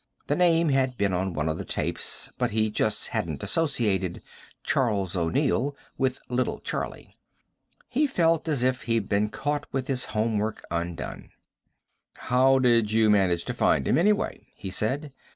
The name had been on one of the tapes, but he just hadn't associated "Charles O'Neill" with "Little Charlie." He felt as if he'd been caught with his homework undone. "How did you manage to find him, anyway?" he said.